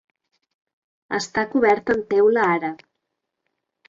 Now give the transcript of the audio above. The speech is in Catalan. Està cobert amb teula àrab.